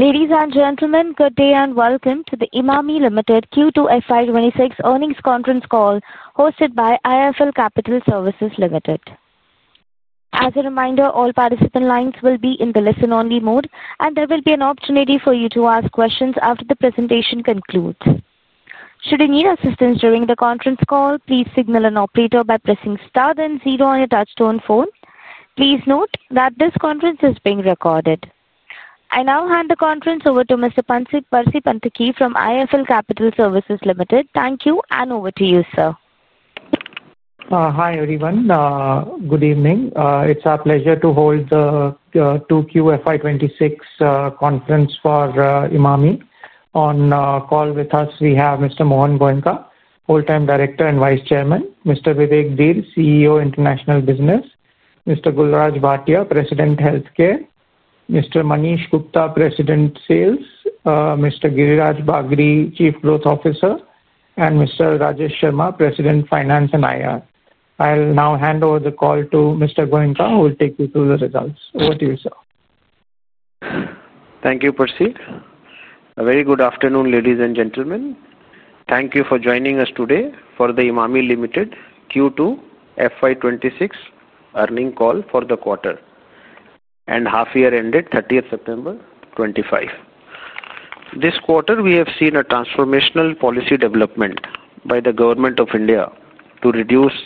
Ladies and gentlemen, good day and welcome to the Emami Ltd Q2 FY26 earnings conference call hosted by IIFL Capital Services Ltd. As a reminder, all participant lines will be in the listen-only mode, and there will be an opportunity for you to ask questions after the presentation concludes. Should you need assistance during the conference call, please signal an operator by pressing star then zero on your touchstone phone. Please note that this conference is being recorded. I now hand the conference over to Mr. Percy Panthaki from IIFL Capital Services Ltd. Thank you, and over to you, sir. Hi everyone, good evening. It's our pleasure to hold the Q2 FY2026 conference for Emami. On call with us, we have Mr. Mohan Goenka, Wholetime Director and Vice Chairman, Mr. Vivek Dhir, CEO, International Business, Mr. Gul Raj Bhatia, President, Healthcare, Mr. Manish Gupta, President, Sales, Mr. Giriraj Bagri, Chief Growth Officer, and Mr. Rajesh Sharma, President, Finance and IR. I'll now hand over the call to Mr. Goenka, who will take you through the results. Over to you, sir. Thank you, Percy. A very good afternoon, ladies and gentlemen. Thank you for joining us today for the Emami Ltd Q2 FY2026 earning call for the quarter, and half year ended 30th September 2025. This quarter, we have seen a transformational policy development by the government of India to reduce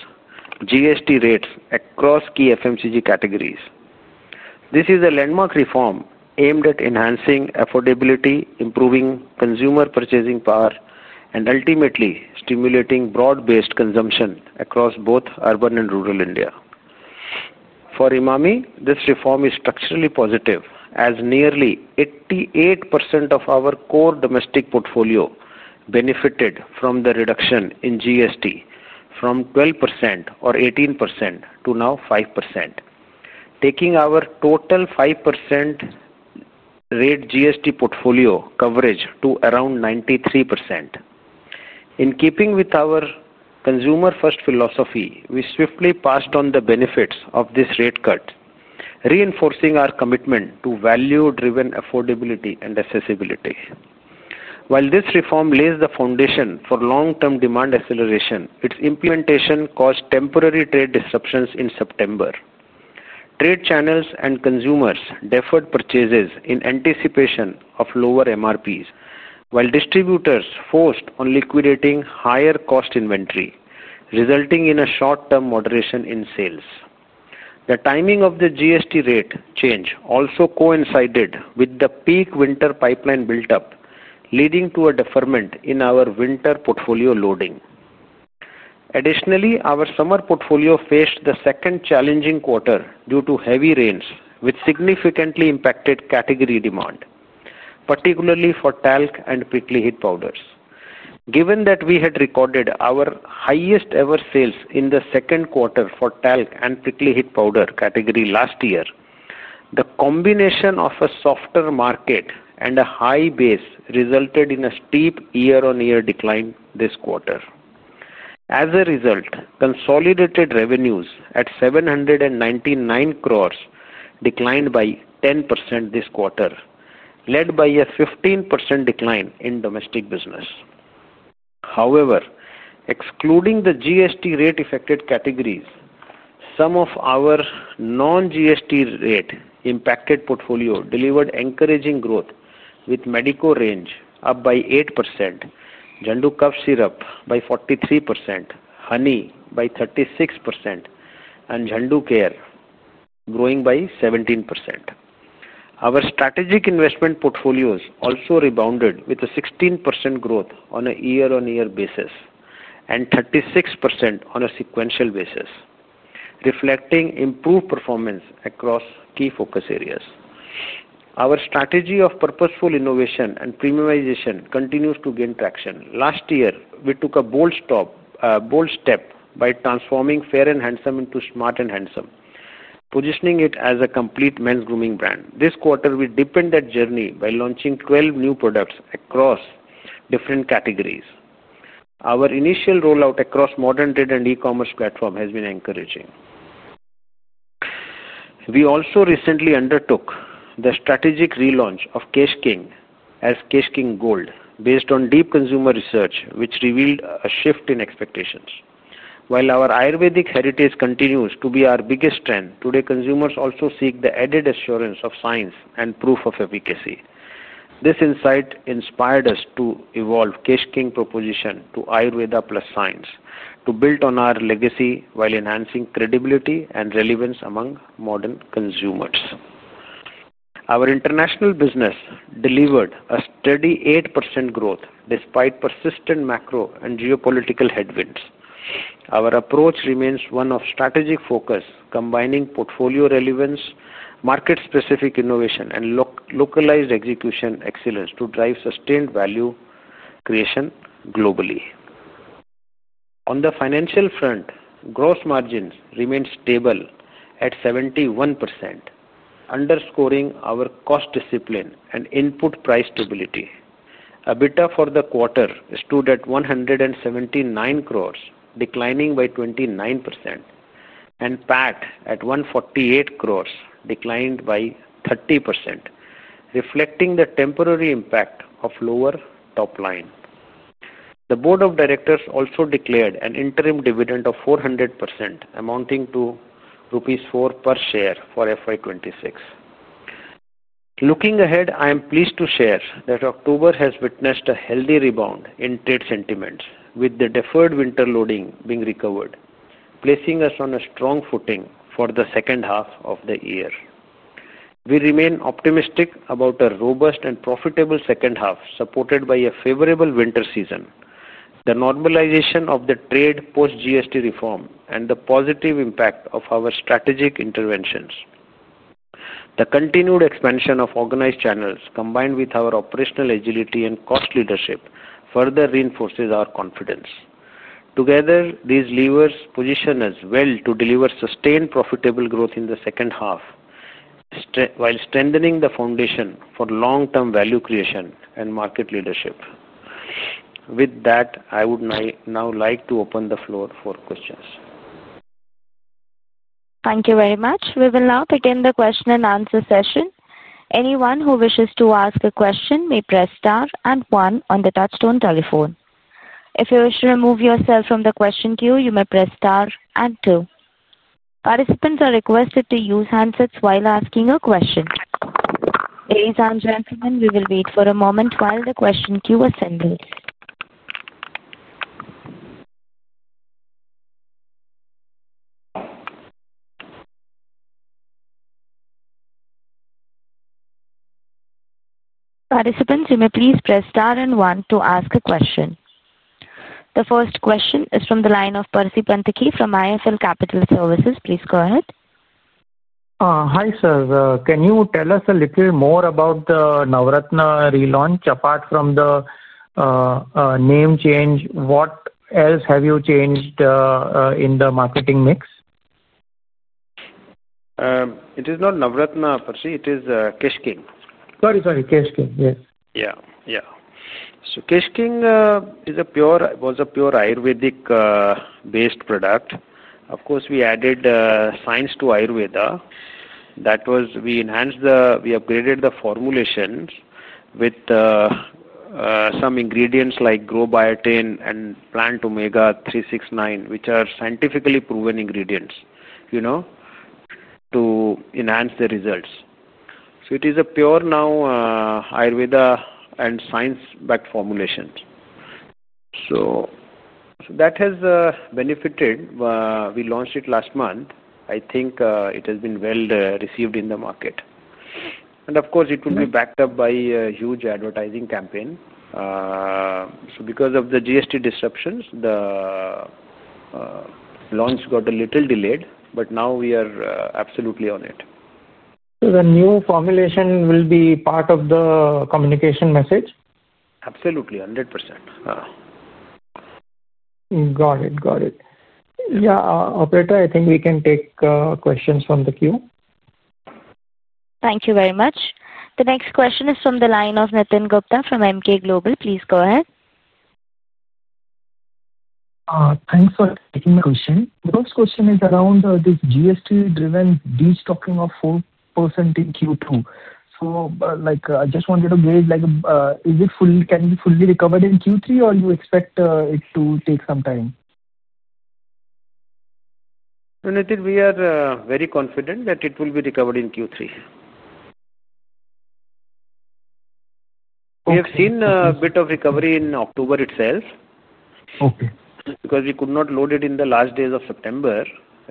GST rates across key FMCG categories. This is a landmark reform aimed at enhancing affordability, improving consumer purchasing power, and ultimately stimulating broad-based consumption across both urban and rural India. For Emami, this reform is structurally positive, as nearly 88% of our core domestic portfolio benefited from the reduction in GST from 12% or 18% to now 5%, taking our total 5% rate GST portfolio coverage to around 93%. In keeping with our consumer-first philosophy, we swiftly passed on the benefits of this rate cut, reinforcing our commitment to value-driven affordability and accessibility. While this reform lays the foundation for long-term demand acceleration, its implementation caused temporary trade disruptions in September. Trade channels and consumers deferred purchases in anticipation of lower MRPs, while distributors focused on liquidating higher cost inventory, resulting in a short-term moderation in sales. The timing of the GST rate change also coincided with the peak winter pipeline build-up, leading to a deferment in our winter portfolio loading. Additionally, our summer portfolio faced the second challenging quarter due to heavy rains, which significantly impacted category demand, particularly for talc and prickly heat powders. Given that we had recorded our highest-ever sales in the second quarter for talc and prickly heat powder category last year, the combination of a softer market and a high base resulted in a steep year-on-year decline this quarter. As a result, consolidated revenues at 799 crore declined by 10% this quarter, led by a 15% decline in domestic business. However, excluding the GST rate-affected categories, some of our non-GST rate-impacted portfolio delivered encouraging growth, with Medico range up by 8%, Zandu Cough Syrup by 43%, Honey by 36%, and Zandu Care growing by 17%. Our strategic investment portfolios also rebounded with a 16% growth on a year-on-year basis and 36% on a sequential basis, reflecting improved performance across key focus areas. Our strategy of purposeful innovation and premiumization continues to gain traction. Last year, we took a bold step by transforming Fair And Handsome into Smart And Handsome, positioning it as a complete men's grooming brand. This quarter, we deepened that journey by launching 12 new products across different categories. Our initial rollout across modern trade and e-commerce platform has been encouraging. We also recently undertook the strategic relaunch of Kesh King as Kesh King Gold, based on deep consumer research, which revealed a shift in expectations. While our Ayurvedic heritage continues to be our biggest strength, today consumers also seek the added assurance of science and proof of efficacy. This insight inspired us to evolve Kesh King proposition to Ayurveda plus science, to build on our legacy while enhancing credibility and relevance among modern consumers. Our international business delivered a steady 8% growth despite persistent macro and geopolitical headwinds. Our approach remains one of strategic focus, combining portfolio relevance, market-specific innovation, and localized execution excellence to drive sustained value creation globally. On the financial front, gross margins remain stable at 71%, underscoring our cost discipline and input price stability. EBITDA for the quarter stood at 179 crores, declining by 29%, and PAT at 148 crore, declined by 30%, reflecting the temporary impact of lower top line. The Board of Directors also declared an interim dividend of 400%, amounting to rupees 4 crore per share for FY2026. Looking ahead, I am pleased to share that October has witnessed a healthy rebound in trade sentiments, with the deferred winter loading being recovered, placing us on a strong footing for the second half of the year. We remain optimistic about a robust and profitable second half, supported by a favorable winter season, the normalization of the trade post-GST reform, and the positive impact of our strategic interventions. The continued expansion of organized channels, combined with our operational agility and cost leadership, further reinforces our confidence. Together, these levers position us well to deliver sustained profitable growth in the second half, while strengthening the foundation for long-term value creation and market leadership. With that, I would now like to open the floor for questions. Thank you very much. We will now begin the question and answer session. Anyone who wishes to ask a question may press star and one on the touchstone telephone. If you wish to remove yourself from the question queue, you may press star and two. Participants are requested to use handsets while asking a question. Ladies and gentlemen, we will wait for a moment while the question queue assembles. Participants, you may please press star and one to ask a question. The first question is from the line of Percy Panthaki of IIFL Capital Services. Please go ahead. Hi sir, can you tell us a little more about the Navratna relaunch? Apart from the name change, what else have you changed in the marketing mix? It is not Navratna, Percy. It is Kesh King. Sorry, sorry, Kesh King, yes. Yeah, yeah. So Kesh King is a pure, was a pure Ayurvedic-based product. Of course, we added science to Ayurveda. That was, we enhanced the, we upgraded the formulations with some ingredients like Grobiotin and Plant Omega 369, which are scientifically proven ingredients, you know, to enhance the results. So it is a pure now Ayurveda and science-backed formulation. That has benefited. We launched it last month. I think it has been well received in the market. Of course, it will be backed up by a huge advertising campaign. Because of the GST disruptions, the launch got a little delayed, but now we are absolutely on it. Will the new formulation be part of the communication message? Absolutely, 100%. Got it, got it. Yeah, operator, I think we can take questions from the queue. Thank you very much. The next question is from the line of Nitin Gupta from Emkay Global. Please go ahead. Thanks for taking my question. The first question is around this GST-driven de-stocking of 4% in Q2. I just wanted to gauge, like, is it fully, can it be fully recovered in Q3, or do you expect it to take some time? Nitin, we are very confident that it will be recovered in Q3. We have seen a bit of recovery in October itself because we could not load it in the last days of September,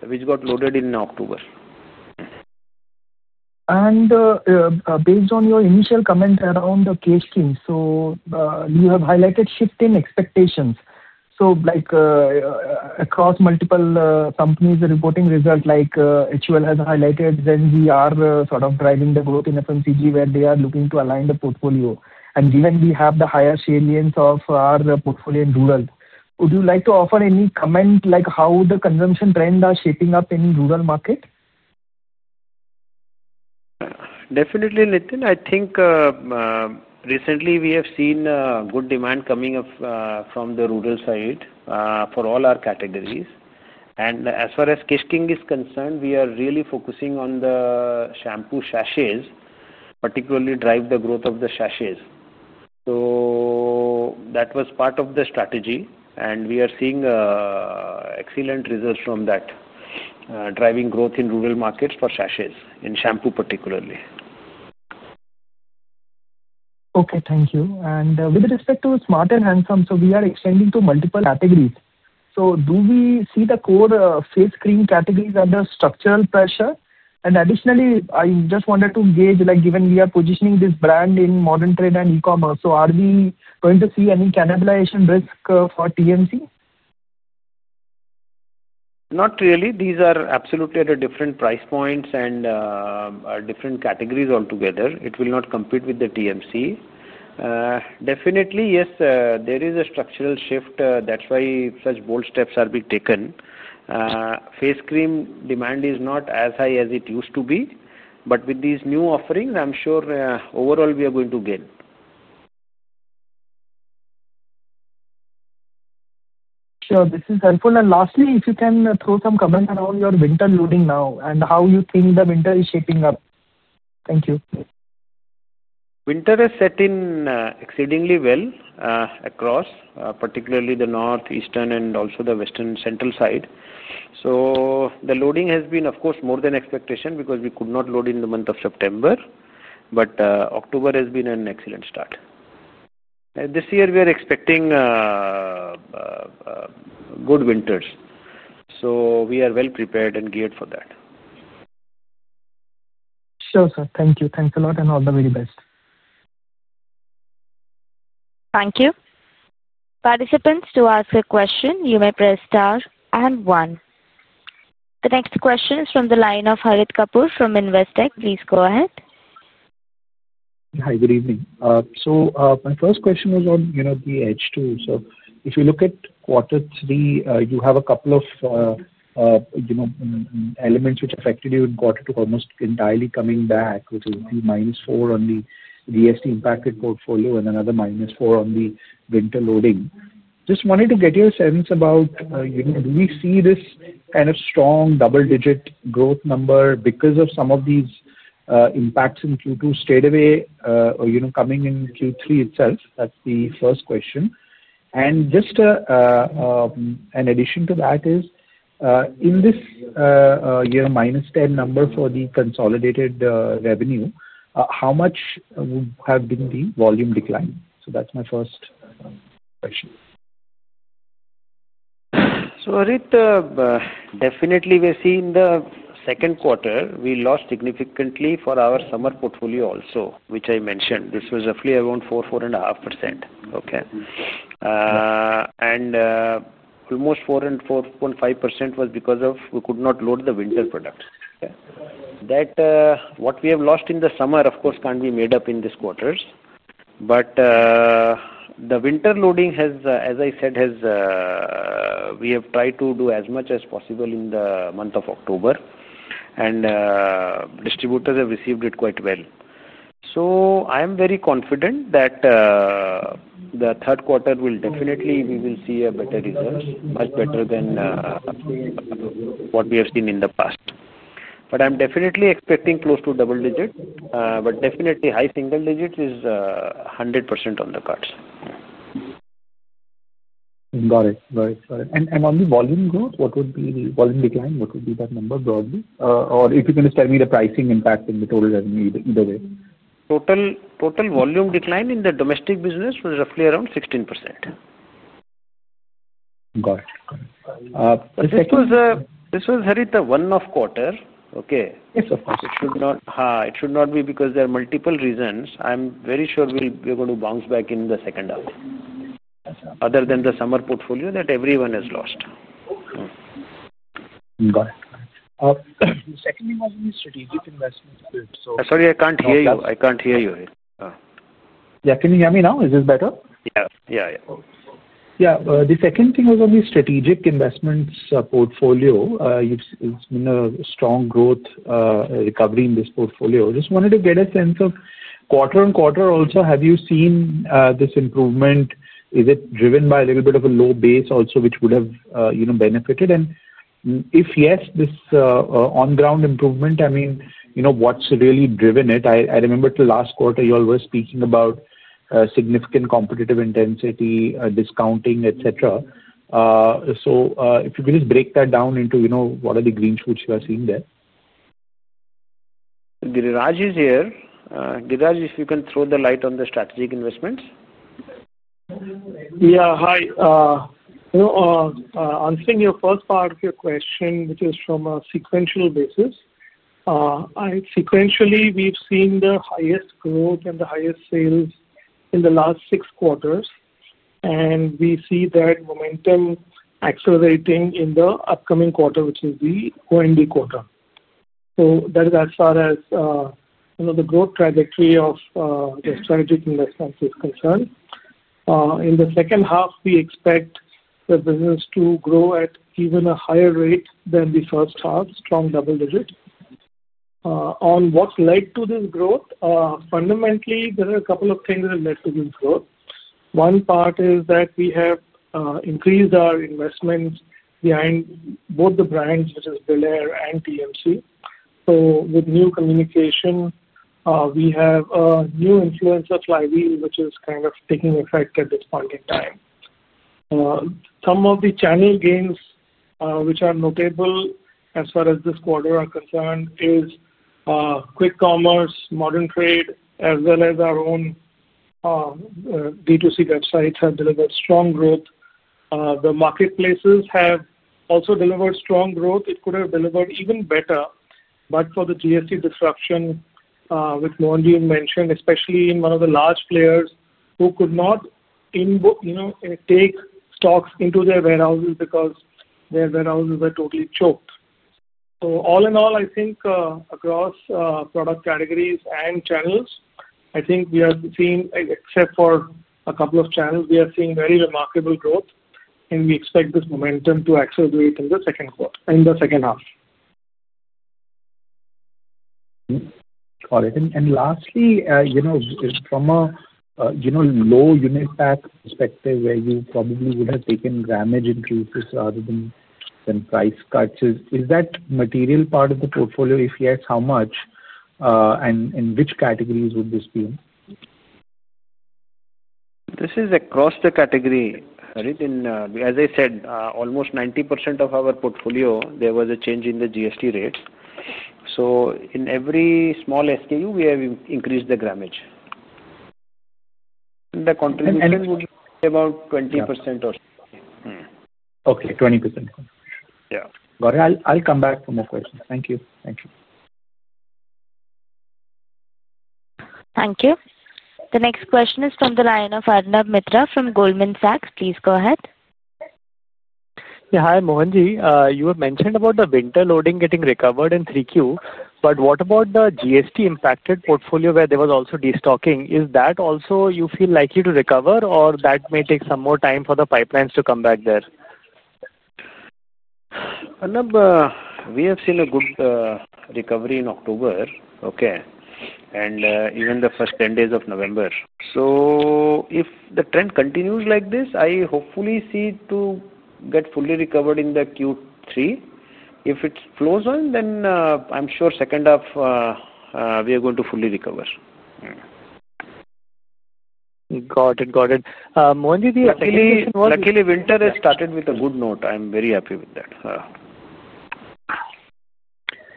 which got loaded in October. Based on your initial comments around the Kesh King, you have highlighted shift in expectations. Like across multiple companies reporting results, like HUL has highlighted, we are sort of driving the growth in FMCG where they are looking to align the portfolio. Given we have the higher salience of our portfolio in rural, would you like to offer any comment like how the consumption trend are shaping up in rural market? Definitely, Nitin. I think recently we have seen good demand coming from the rural side for all our categories. As far as Kesh King is concerned, we are really focusing on the shampoo sachets, particularly to drive the growth of the sachets. That was part of the strategy, and we are seeing excellent results from that, driving growth in rural markets for sachets, in shampoo particularly. Okay, thank you. With respect to Smart And Handsome, we are extending to multiple categories. Do we see the core face cream categories under structural pressure? Additionally, I just wanted to gauge, given we are positioning this brand in modern trade and e-commerce, are we going to see any cannibalization risk for TMC? Not really. These are absolutely at different price points and different categories altogether. It will not compete with The TMC. Definitely, yes, there is a structural shift. That is why such bold steps are being taken. Face cream demand is not as high as it used to be, but with these new offerings, I am sure overall we are going to gain. Sure, this is helpful. Lastly, if you can throw some comments around your winter loading now and how you think the winter is shaping up. Thank you. Winter has set in exceedingly well across, particularly the north, eastern, and also the western central side. The loading has been, of course, more than expectation because we could not load in the month of September, but October has been an excellent start. This year we are expecting good winters, so we are well prepared and geared for that. Sure, sir. Thank you. Thanks a lot and all the very best. Thank you. Participants, to ask a question, you may press star and one. The next question is from the line of Harit Kapoor from Investec. Please go ahead. Hi, good evening. My first question was on the edge too. If you look at quarter three, you have a couple of elements which affected you in quarter two, almost entirely coming back, which is the -4% on the GST impacted portfolio and another -4% on the winter loading. I just wanted to get your sense about, do we see this kind of strong double-digit growth number because some of these impacts in Q2 stayed away or coming in Q3 itself? That is the first question. In addition to that, in this year -10% number for the consolidated revenue, how much would have been the volume decline? That is my first question. Harit, definitely we're seeing the second quarter, we lost significantly for our summer portfolio also, which I mentioned. This was roughly around 4%-4.5%. Okay. And almost 4%-4.5% was because we could not load the winter products. What we have lost in the summer, of course, can't be made up in these quarters. The winter loading has, as I said, we have tried to do as much as possible in the month of October, and distributors have received it quite well. I am very confident that the third quarter will definitely, we will see a better result, much better than what we have seen in the past. I am definitely expecting close to double digit, but definitely high single digit is 100% on the cards. Got it. Got it. On the volume growth, what would be the volume decline? What would be that number broadly? If you can just tell me the pricing impact in the total revenue either way. Total volume decline in the domestic business was roughly around 16%. Got it. Got it. This was, Harit, the one-off quarter. Okay. Yes, of course. It should not be because there are multiple reasons. I'm very sure we're going to bounce back in the second half, other than the summer portfolio that everyone has lost. Got it. The second thing was on the strategic investment. Sorry, I can't hear you. I can't hear you. Yeah, can you hear me now? Is this better? Yeah, yeah. Yeah, the second thing was on the strategic investments portfolio. It's been a strong growth recovery in this portfolio. Just wanted to get a sense of quarter on quarter also, have you seen this improvement? Is it driven by a little bit of a low base also, which would have benefited? If yes, this on-ground improvement, I mean, what's really driven it? I remember last quarter you all were speaking about significant competitive intensity, discounting, etc. If you could just break that down into what are the green shoots you are seeing there? Giriraj is here. Giriraj, if you can throw the light on the strategic investments. Yeah, hi. Answering your first part of your question, which is from a sequential basis, sequentially we've seen the highest growth and the highest sales in the last six quarters. We see that momentum accelerating in the upcoming quarter, which is the Q&A quarter. That is as far as the growth trajectory of the strategic investments is concerned. In the second half, we expect the business to grow at even a higher rate than the first half, strong double digit. On what led to this growth, fundamentally, there are a couple of things that led to this growth. One part is that we have increased our investments behind both the brands, which is Brillare and TMC. With new communication, we have a new influence of Flywheel, which is kind of taking effect at this point in time. Some of the channel gains, which are notable as far as this quarter are concerned, is quick commerce, modern trade, as well as our own D2C websites have delivered strong growth. The marketplaces have also delivered strong growth. It could have delivered even better, but for the GST disruption, which Mohan G. mentioned, especially in one of the large players who could not take stocks into their warehouses because their warehouses were totally choked. All in all, I think across product categories and channels, I think we have seen, except for a couple of channels, we have seen very remarkable growth, and we expect this momentum to accelerate in the second half. Got it. Lastly, from a low unit pack perspective, where you probably would have taken grammage increases rather than price cuts, is that material part of the portfolio? If yes, how much and in which categories would this be? This is across the category. As I said, almost 90% of our portfolio, there was a change in the GST rates. In every small SKU, we have increased the grammage. The contribution would be about 20% or something. Okay, 20%. Yeah. Got it. I'll come back for more questions. Thank you. Thank you. Thank you. The next question is from the line of Arnab Mitra from Goldman Sachs. Please go ahead. Yeah, hi Mohan G. You have mentioned about the winter loading getting recovered in 3Q, but what about the GST impacted portfolio where there was also destocking? Is that also you feel likely to recover, or that may take some more time for the pipelines to come back there? Arnab, we have seen a good recovery in October, okay, and even the first 10 days of November. If the trend continues like this, I hopefully see it to get fully recovered in the Q3. If it flows on, then I'm sure second half we are going to fully recover. Got it. Got it. Mohan G., the expectation was. Luckily, winter has started with a good note. I'm very happy with that.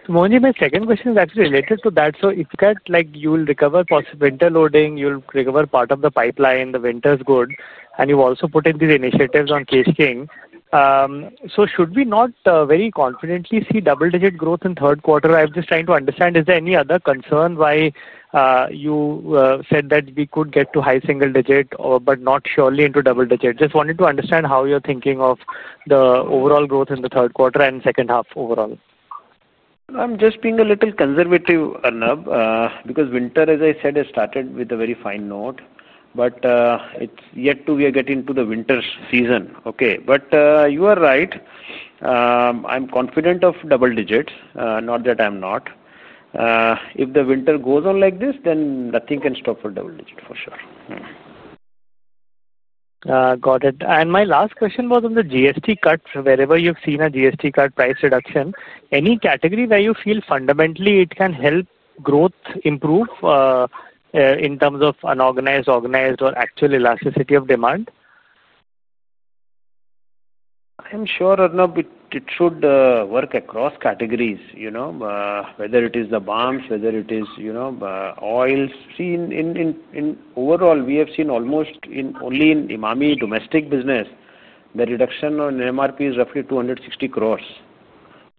Mohan G., my second question is actually related to that. If you get like you'll recover winter loading, you'll recover part of the pipeline, the winter's good, and you've also put in these initiatives on Kesh King. Should we not very confidently see double-digit growth in third quarter? I'm just trying to understand, is there any other concern why you said that we could get to high single digit, but not surely into double digit? Just wanted to understand how you're thinking of the overall growth in the third quarter and second half overall. I'm just being a little conservative, Arnab, because winter, as I said, has started with a very fine note, but it's yet to we are getting to the winter season. Okay. You are right. I'm confident of double digit. Not that I'm not. If the winter goes on like this, then nothing can stop for double digit for sure. Got it. My last question was on the GST cut. Wherever you've seen a GST cut price reduction, any category where you feel fundamentally it can help growth improve in terms of unorganized, organized, or actual elasticity of demand? I'm sure, Arnab, it should work across categories, whether it is the balms, whether it is oils. See, overall, we have seen almost only in Emami domestic business, the reduction on MRP is roughly 260 crore.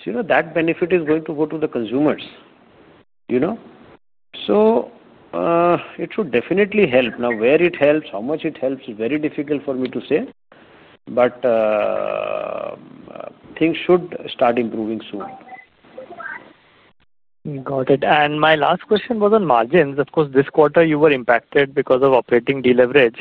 That benefit is going to go to the consumers. It should definitely help. Now, where it helps, how much it helps is very difficult for me to say, but things should start improving soon. Got it. My last question was on margins. Of course, this quarter you were impacted because of operating deleverage.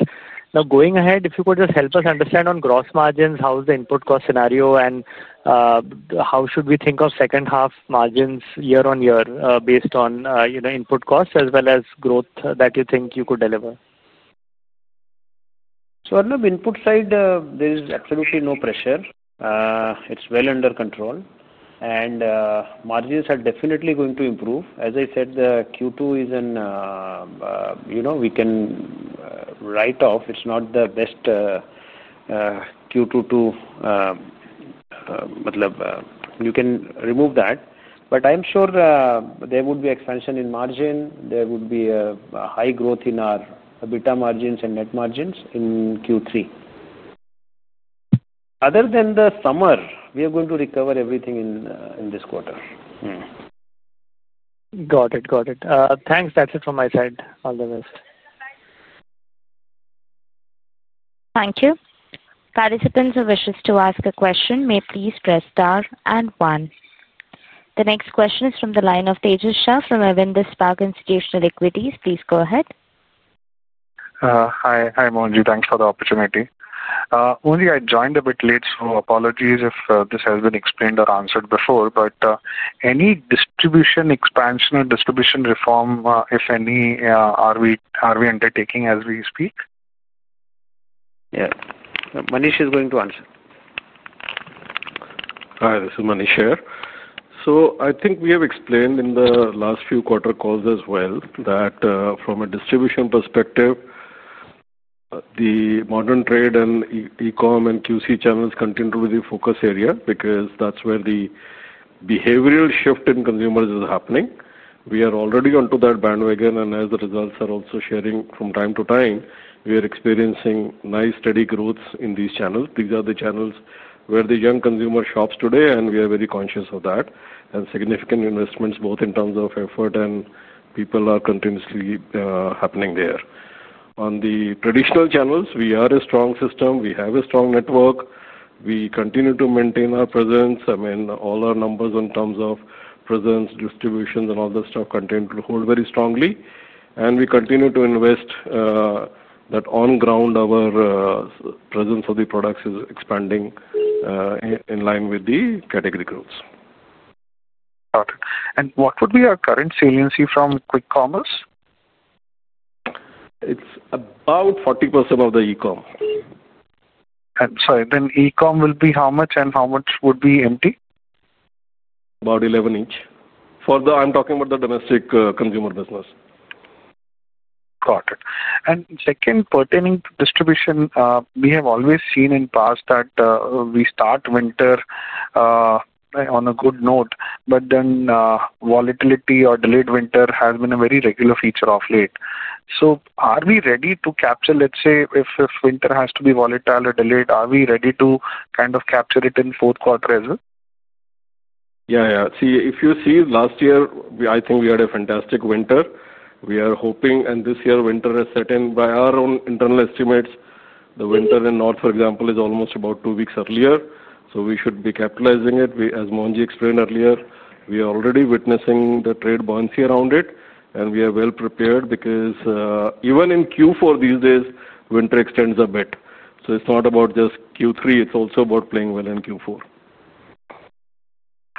Now, going ahead, if you could just help us understand on gross margins, how's the input cost scenario, and how should we think of second half margins year on year based on input costs as well as growth that you think you could deliver? Arnab, input side, there is absolutely no pressure. It's well under control. And margins are definitely going to improve. As I said, the Q2 is an we can write off. It's not the best Q2 to you can remove that. But I'm sure there would be expansion in margin. There would be a high growth in our EBITDA margins and net margins in Q3. Other than the summer, we are going to recover everything in this quarter. Got it. Got it. Thanks. That's it from my side. All the best. Thank you. Participants who wish to ask a question may please press star and one. The next question is from the line of Kshitij Shah from Avendus Spark Institutional Equities. Please go ahead. Hi, Mohan G. Thanks for the opportunity. Mohan G., I joined a bit late, so apologies if this has been explained or answered before, but any distribution expansion or distribution reform, if any, are we undertaking as we speak? Yeah. Manish is going to answer. Hi, this is Manish here. I think we have explained in the last few quarter calls as well that from a distribution perspective, the modern trade and e-com and QC channels continue to be the focus area because that's where the behavioral shift in consumers is happening. We are already onto that bandwagon, and as the results are also sharing from time to time, we are experiencing nice steady growths in these channels. These are the channels where the young consumer shops today, and we are very conscious of that. Significant investments, both in terms of effort and people, are continuously happening there. On the traditional channels, we are a strong system. We have a strong network. We continue to maintain our presence. I mean, all our numbers in terms of presence, distributions, and all this stuff continue to hold very strongly. We continue to invest that on-ground, our presence of the products is expanding in line with the category growths. Got it. What would be our current saliency from quick commerce? It's about 40% of the e-com. Sorry, then e-com will be how much, and how much would be empty? About 11% each. I'm talking about the domestic consumer business. Got it. Second, pertaining to distribution, we have always seen in the past that we start winter on a good note, but then volatility or delayed winter has been a very regular feature of late. Are we ready to capture, let's say, if winter has to be volatile or delayed, are we ready to kind of capture it in the fourth quarter as well? Yeah, yeah. See, if you see last year, I think we had a fantastic winter. We are hoping, and this year winter is certain by our own internal estimates. The winter in north, for example, is almost about two weeks earlier. We should be capitalizing it. As Mohan G. explained earlier, we are already witnessing the trade buoyancy around it, and we are well prepared because even in Q4 these days, winter extends a bit. It is not about just Q3. It is also about playing well in Q4.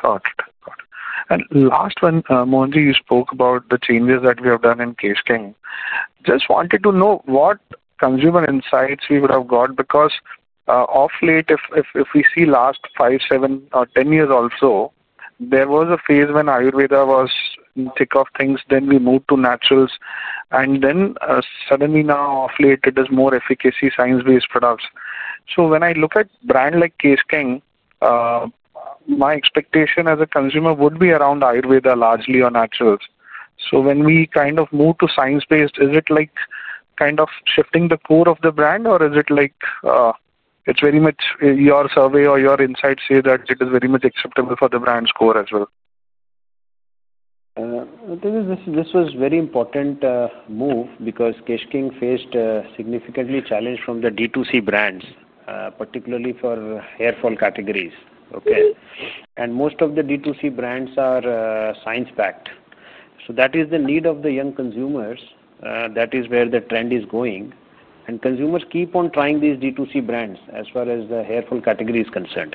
Got it. Got it. Last one, Mohan G., you spoke about the changes that we have done in Kesh King. Just wanted to know what consumer insights we would have got because of late, if we see last five, seven, or ten years also, there was a phase when Ayurveda was in thick of things, then we moved to naturals. Then suddenly now, of late, it is more efficacy science-based products. When I look at brand like Kesh King, my expectation as a consumer would be around Ayurveda largely or naturals. When we kind of move to science-based, is it like kind of shifting the core of the brand, or is it like it's very much your survey or your insights say that it is very much acceptable for the brand's core as well? This was a very important move because Kesh King faced significantly challenged from the D2C brands, particularly for hair fall categories. Okay. And most of the D2C brands are science-backed. That is the need of the young consumers. That is where the trend is going. Consumers keep on trying these D2C brands as far as the hair fall category is concerned.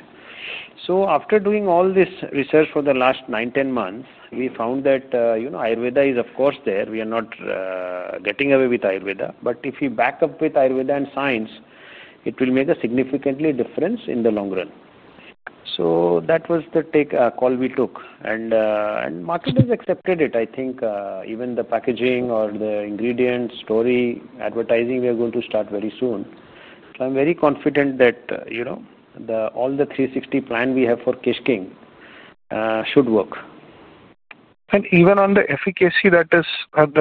After doing all this research for the last nine, ten months, we found that Ayurveda is, of course, there. We are not getting away with Ayurveda. If we back up with Ayurveda and science, it will make a significant difference in the long run. That was the call we took. Marketers accepted it. I think even the packaging or the ingredient story, advertising, we are going to start very soon. I'm very confident that all the 360 plan we have for Kesh King should work. Even on the efficacy that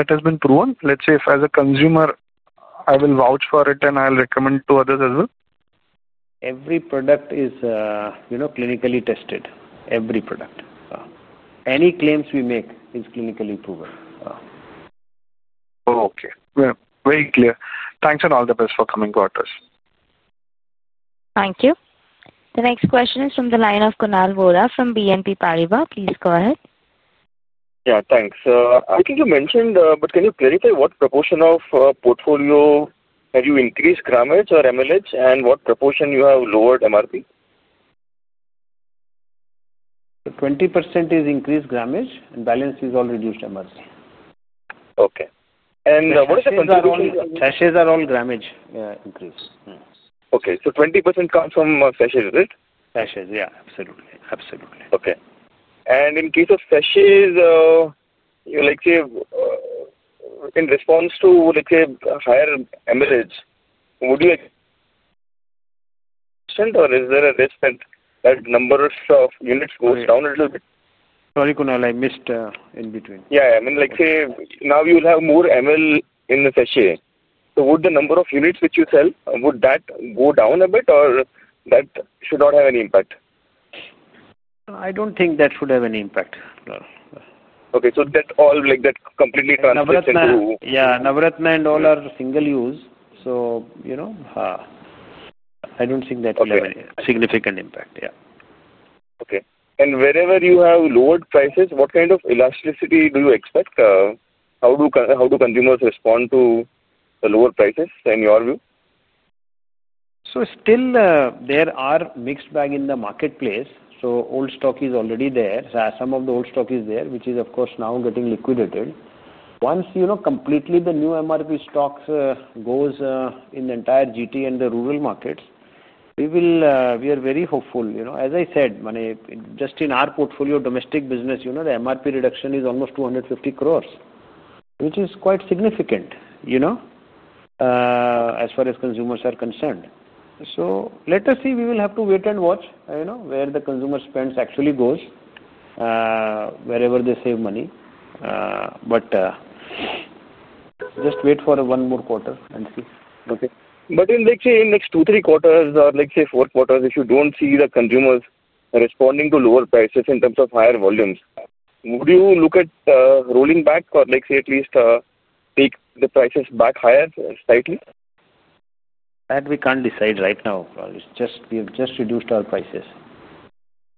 has been proven, let's say if as a consumer, I will vouch for it and I'll recommend to others as well? Every product is clinically tested. Every product. Any claims we make are clinically proven. Okay. Very clear. Thanks and all the best for coming to ours. Thank you. The next question is from the line of Kunal Vora from BNP Paribas. Please go ahead. Yeah, thanks. I think you mentioned, but can you clarify what proportion of portfolio have you increased grammage or [milliliter], and what proportion you have lowered MRP? 20% is increased grammage, and balance is all reduced MRP. Okay. What is the consumer? Sachets are all grammage increase. Okay. So 20% comes from sachets, is it? Sachets, yeah. Absolutely. Absolutely. Okay. In case of sachets, let's say in response to, let's say, higher [milliliter], would you accept or is there a risk that number of units goes down a little bit? Sorry, Kunal, I missed in between. Yeah. I mean, let's say now you'll have more ml in the sachet. Would the number of units that you sell, would that go down a bit, or that should not have any impact? I don't think that should have any impact. Okay. So that's all completely transition to. Yeah. Navratna and all are single use. So I don't think that will have any significant impact. Yeah. Okay. Wherever you have lowered prices, what kind of elasticity do you expect? How do consumers respond to the lower prices in your view? There are still a mixed bag in the marketplace. Old stock is already there. Some of the old stock is there, which is, of course, now getting liquidated. Once completely the new MRP stocks go in the entire GT and the rural markets, we are very hopeful. As I said, just in our portfolio, domestic business, the MRP reduction is almost 250 crore, which is quite significant as far as consumers are concerned. Let us see. We will have to wait and watch where the consumer spend actually goes, wherever they save money. Just wait for one more quarter and see. Okay. In the next two, three quarters or, let's say, four quarters, if you do not see the consumers responding to lower prices in terms of higher volumes, would you look at rolling back or, let's say, at least take the prices back higher slightly? That we can't decide right now. We have just reduced our prices.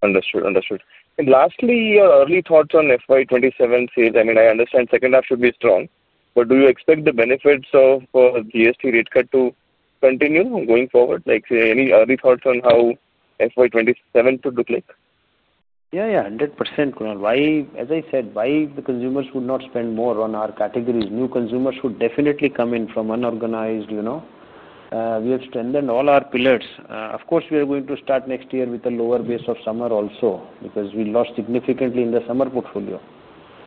Understood. Understood. Lastly, your early thoughts on FY 2027? I mean, I understand second half should be strong, but do you expect the benefits of GST rate cut to continue going forward? Any early thoughts on how FY 2027 could look like? Yeah, yeah. 100%, Kunal. As I said, why the consumers would not spend more on our categories? New consumers should definitely come in from unorganized. We have strengthened all our pillars. Of course, we are going to start next year with a lower base of summer also because we lost significantly in the summer portfolio.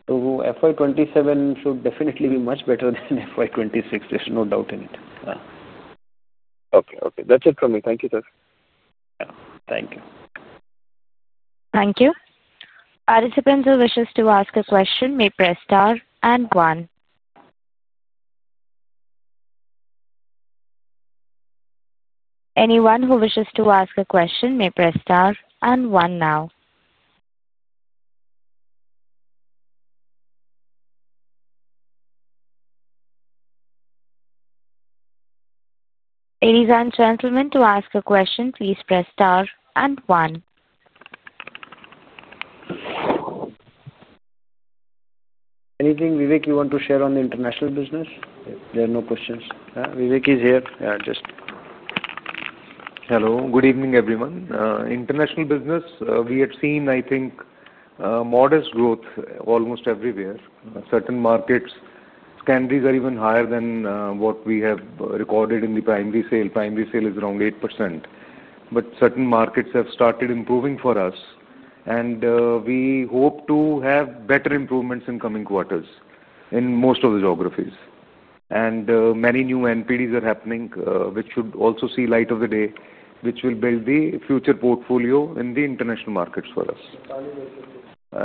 FY 2027 should definitely be much better than FY 2026. There's no doubt in it. Okay. Okay. That's it from me. Thank you, sir. Yeah. Thank you. Thank you. Participants who wish to ask a question may press star and one. Anyone who wishes to ask a question may press star and one now. Ladies and gentlemen, to ask a question, please press star and one. Anything, Vivek, you want to share on the international business? There are no questions. Vivek is here. Yeah, just. Hello. Good evening, everyone. International business, we have seen, I think, modest growth almost everywhere. Certain markets, candies are even higher than what we have recorded in the primary sale. Primary sale is around 8%. Certain markets have started improving for us, and we hope to have better improvements in coming quarters in most of the geographies. Many new NPDs are happening, which should also see light of the day, which will build the future portfolio in the international markets for us.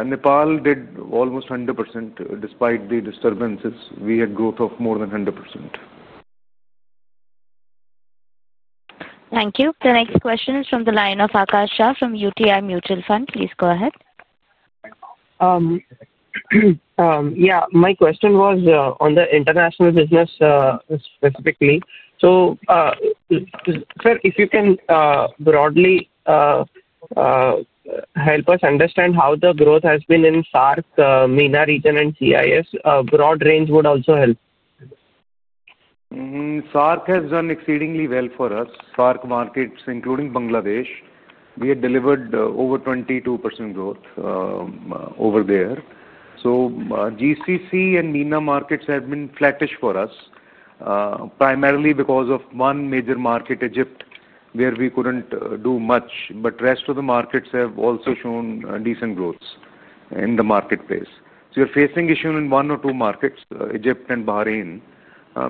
Nepal did almost 100%. Despite the disturbances, we had growth of more than 100%. Thank you. The next question is from the line of Akash Shah from UTI Mutual Fund. Please go ahead. Yeah. My question was on the international business specifically. So sir, if you can broadly help us understand how the growth has been in SAARC, MENA region, and CIS, a broad range would also help. SAARC has done exceedingly well for us. SAARC markets, including Bangladesh, we had delivered over 22% growth over there. GCC and MENA markets have been flattish for us, primarily because of one major market, Egypt, where we could not do much. The rest of the markets have also shown decent growths in the marketplace. We are facing issues in one or two markets, Egypt and Bahrain,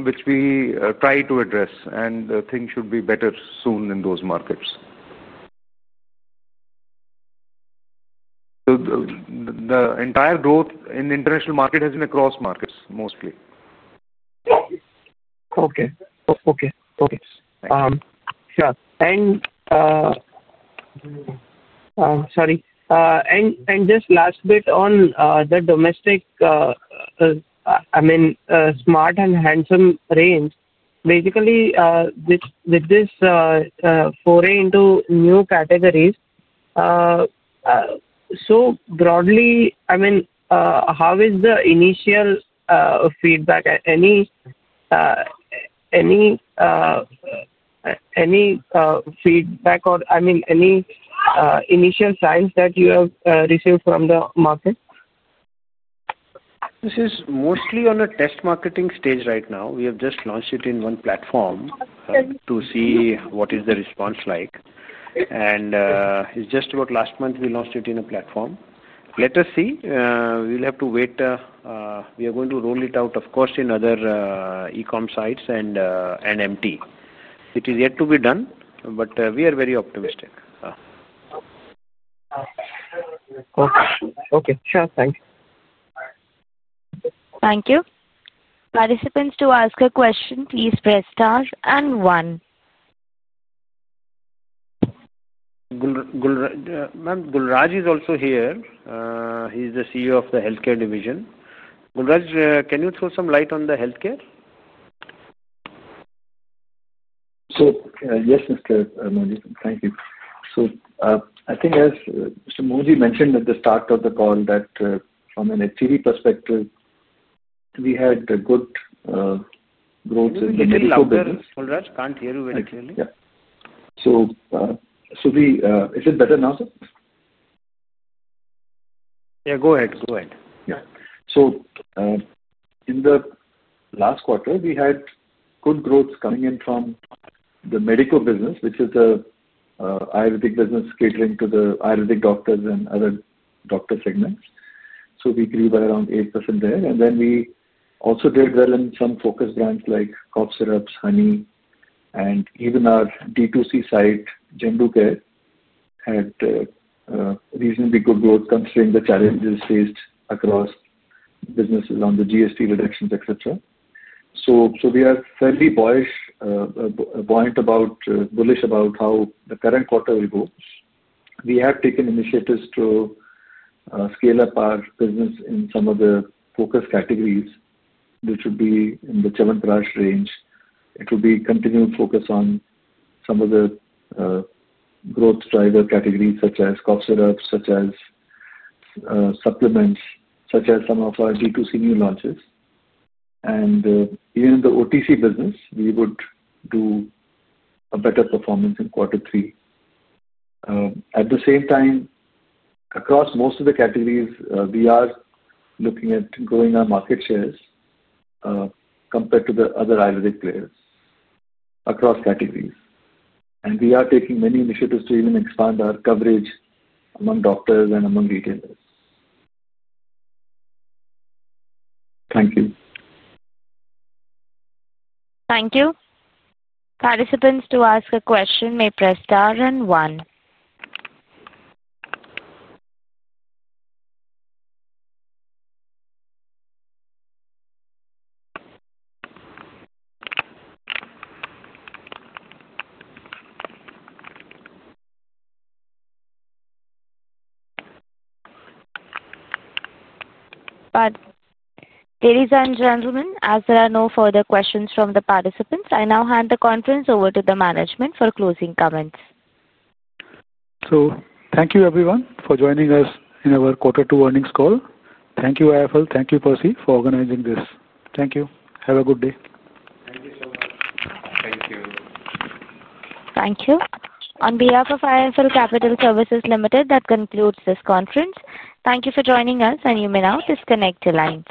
which we try to address, and things should be better soon in those markets. The entire growth in the international market has been across markets, mostly. Okay. Yeah. Sorry. Just last bit on the domestic, I mean, Smart And Handsome range. Basically, with this foray into new categories, broadly, I mean, how is the initial feedback? Any feedback or, I mean, any initial signs that you have received from the market? This is mostly on a test marketing stage right now. We have just launched it in one platform to see what is the response like. It is just about last month we launched it in a platform. Let us see. We will have to wait. We are going to roll it out, of course, in other e-comm sites and NMT. It is yet to be done, but we are very optimistic. Okay. Okay. Sure. Thanks. Thank you. Participants, to ask a question, please press star and one. Ma'am, Gul Raj is also here. He's the CEO of the Health Care Division. Gul Raj, can you throw some light on the healthcare? Yes, Mr. Mohan G. Thank you. I think as Mr. Mohan G. mentioned at the start of the call that from an activity perspective, we had good growth in the medical business. Gul Raj, can't hear you very clearly. Yeah. Is it better now, sir? Yeah. Go ahead. Go ahead. Yeah. In the last quarter, we had good growth coming in from the medico business, which is the Ayurvedic business catering to the Ayurvedic doctors and other doctor segments. We grew by around 8% there. We also did well in some focus brands like cough syrups, honey, and even our D2C site, Zandu Care, had reasonably good growth considering the challenges faced across businesses on the GST reductions, etc. We are fairly bullish about how the current quarter will go. We have taken initiatives to scale up our business in some of the focus categories, which would be in the Chyawanprash range. It will be continued focus on some of the growth driver categories such as cough syrups, such as supplements, such as some of our D2C new launches. Even in the OTC business, we would do a better performance in quarter three. At the same time, across most of the categories, we are looking at growing our market shares compared to the other Ayurvedic players across categories. We are taking many initiatives to even expand our coverage among doctors and among retailers. Thank you. Thank you. Participants to ask a question may press star and one. Ladies and gentlemen, as there are no further questions from the participants, I now hand the conference over to the management for closing comments. Thank you, everyone, for joining us in our quarter two earnings call. Thank you, IIFL. Thank you, Percy, for organizing this. Thank you. Have a good day. Thank you so much. Thank you. Thank you. On behalf of IIFL Capital Services Ltd, that concludes this conference. Thank you for joining us, and you may now disconnect the lines.